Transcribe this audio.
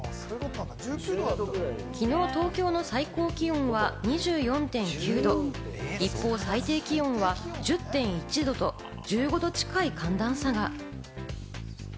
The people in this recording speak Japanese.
昨日、東京の最高気温は２４．９度、一方、最低気温は１０．１度と、１５度近い寒暖差が。